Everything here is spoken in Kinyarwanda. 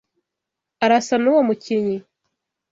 Arasa nuwo mukinnyi.